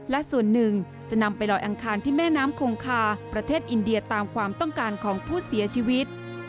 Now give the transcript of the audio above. และส่วนหนึ่งจะนำไปลอยอังคารที่แม่น้ำคงคาประเทศอินเดียตามความต้องการของผู้เสียชีวิต